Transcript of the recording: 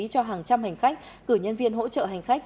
cho hàng trăm hành khách cử nhân viên hỗ trợ hành khách